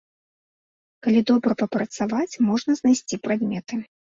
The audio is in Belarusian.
Калі добра папрацаваць, можна знайсці прадметы.